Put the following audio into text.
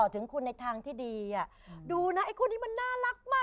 ถึงคุณในทางที่ดีดูนะไอ้คนนี้มันน่ารักมาก